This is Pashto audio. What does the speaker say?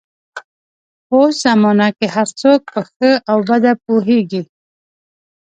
په اوس زمانه کې هر څوک په ښه او بده پوهېږي